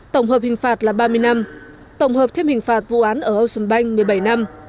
tổng hợp hình phạt là ba mươi năm tổng hợp thêm hình phạt vụ án ở âu sơn banh một mươi bảy năm